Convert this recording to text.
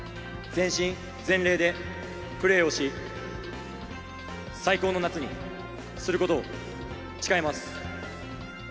全身全霊でプレーをし、最高の夏にすることを誓います。